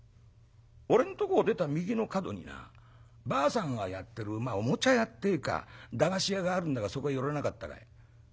「俺んとこを出た右の角になばあさんがやってるおもちゃ屋ってえか駄菓子屋があるんだがそこへ寄らなかったかい？」。